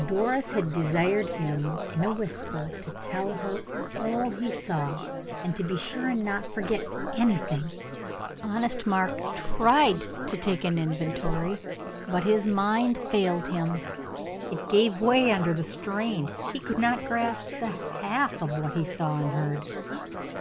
Doris had desired him, in a whisper, to tell her all he saw, and to be sure and not forget anything. Honest Mark tried to take an inventory, but his mind failed him: it gave way under the strain; he could not grasp the half what he saw and heard.